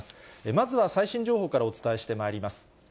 まずは最新情報からお伝えしてまいります。